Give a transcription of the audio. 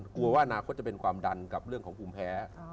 กลัวว่าอนาคตจะเป็นความดันกับเรื่องของภูมิแพ้